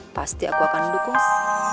pasti aku akan dukus